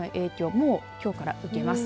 もう、きょうから受けます。